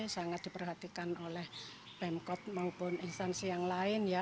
sangat diperhatikan oleh pemkot maupun instansi yang lain ya